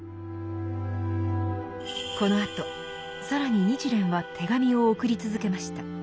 このあと更に日蓮は手紙を送り続けました。